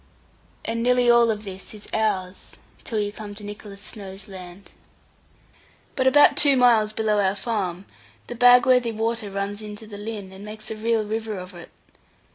And nearly all of this is ours, till you come to Nicholas Snowe's land. But about two miles below our farm, the Bagworthy water runs into the Lynn, and makes a real river of it.